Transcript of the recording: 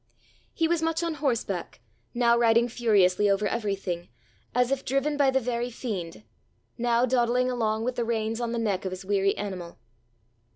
He was much on horseback, now riding furiously over everything, as if driven by the very fiend, now dawdling along with the reins on the neck of his weary animal.